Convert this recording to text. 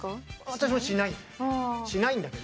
私もしないんだよね。